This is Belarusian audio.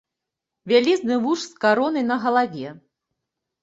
Вялізны вуж з каронай на галаве.